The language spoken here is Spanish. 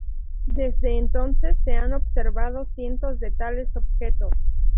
Desde entonces, se han observado cientos de tales objetos.